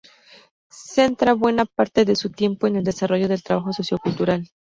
Centra buena parte de su tiempo en el desarrollo del trabajo sociocultural.